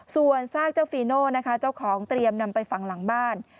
ส่วนซากเจ้าฟีโน่นะคะเจ้าของเตรียมนำไปฝังหลังบ้าน